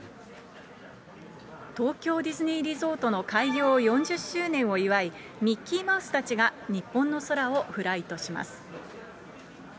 東京ディズニーリゾートの開業４０周年を祝い、ミッキーマウスたちが日本の空をフライトします。